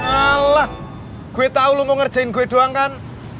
salah gue tau lo mau ngerjain gue doang kan